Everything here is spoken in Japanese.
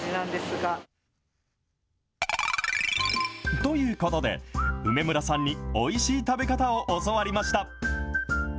ということで、梅村さんにおいしい食べ方を教わりました。